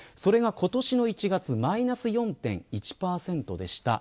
それが今年の１月マイナス４．１％でした。